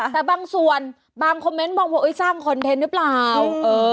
แต่บางส่วนบางคอมเม้นบอกเฮ้ยสร้างคอนเทนต์นี่เปล่าเออ